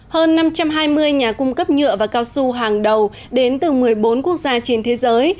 hơn năm trăm hai mươi nhà cung cấp nhựa và cao su hàng đầu đến từ một mươi bốn quốc gia trên thế giới